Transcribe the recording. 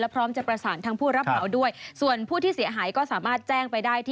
พร้อมจะประสานทั้งผู้รับเหมาด้วยส่วนผู้ที่เสียหายก็สามารถแจ้งไปได้ที่